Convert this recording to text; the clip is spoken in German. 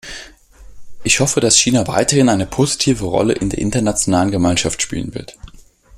Ich hoffe, dass China weiterhin eine positive Rolle in der internationalen Gemeinschaft spielen wird.